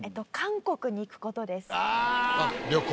旅行？